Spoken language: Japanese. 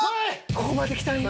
ここまできたんや。